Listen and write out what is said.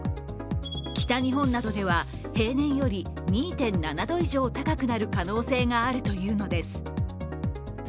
北日本などでは平年より２．７度以上高くなる可能性があるというのです。